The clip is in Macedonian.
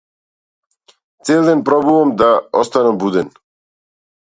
Цел ден пробувам да останам буден.